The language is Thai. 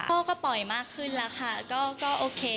พ่อก็ปล่อยมากขึ้นแล้วค่ะก็โอเค